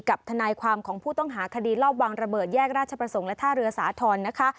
ทนายความของผู้ต้องหาคดีรอบวางระเบิดแยกราชประสงค์และท่าเรือสาธรณ์นะคะ